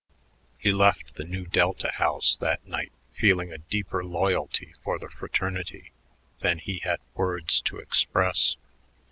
He left the Nu Delta house that night feeling a deeper loyalty for the fraternity than he had words to express.